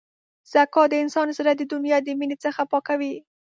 زکات د انسان زړه د دنیا د مینې څخه پاکوي.